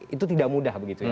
itu tidak mudah begitu ya